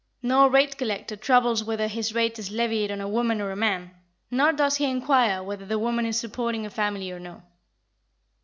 No rate collector troubles whether his rate is levied on a woman or a man; nor does he inquire whether the woman is supporting a family or no.